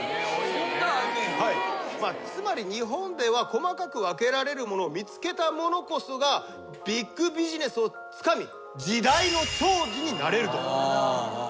つまり日本では細かく分けられるものを見つけた者こそがビッグビジネスをつかみ時代の寵児になれると。